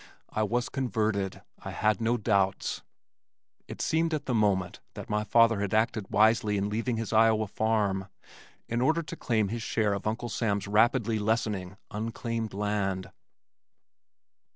I was converted. I had no doubts. It seemed at the moment that my father had acted wisely in leaving his Iowa farm in order to claim his share of Uncle Sam's rapidly lessening unclaimed land.